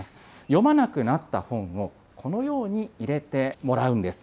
読まなくなった本を、このように入れてもらうんです。